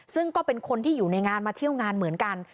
ซึ่งก็เป็นคนที่อยู่ในงานมาเที่ยวงานเหมือนกัน